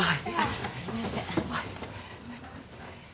すいません。